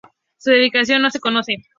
Su densidad no se conoce.